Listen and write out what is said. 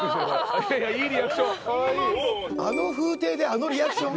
あの風体であのリアクション？